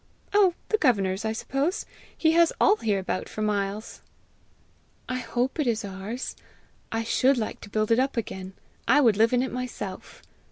"Oh, the governor's, I suppose! He has all hereabout for miles." "I hope it is ours! I SHOULD like to build it up again! I would live in it myself!"